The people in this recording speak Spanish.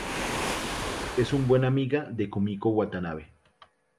Es buen amiga de Kumiko Watanabe.